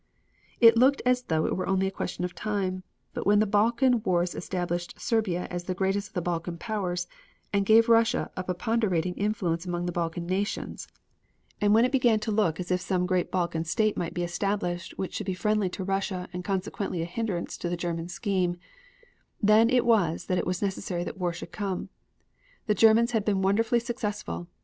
It looked as though it were only a question of time, but when the Balkan wars established Serbia as the greatest of the Balkan powers, and gave Russia a preponderating influence among the Balkan nations, and when it began to look as if some great Balkan state might be established which should be friendly to Russia and consequently a hindrance to the German scheme, then it was that it was necessary that war should come. The Germans had been wonderfully successful.